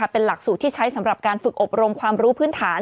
เป็นหลักสูตรที่ใช้สำหรับการฝึกอบรมความรู้พื้นฐาน